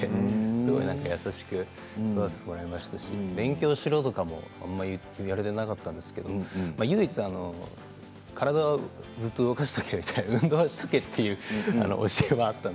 すごい優しく育ててもらいましたし勉強しろとかもあまり言われていなかったんですけど唯一、体をずっと動かしなさい運動をしとけという教えはあって。